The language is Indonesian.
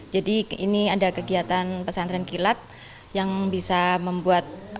jadi ini ada kegiatan pesan tren kilat yang bisa membuat